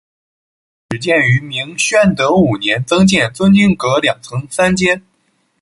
始建于明宣德五年增建尊经阁两层三间。